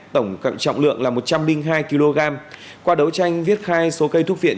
tổng cộng trọng lượng là một trăm linh hai kg qua đấu tranh viết khai số cây thuốc viện